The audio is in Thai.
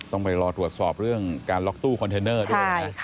ต้องไปรอตรวจสอบเรื่องการล็อกตู้คอนเทนเนอร์ด้วยนะ